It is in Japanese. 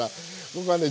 僕はね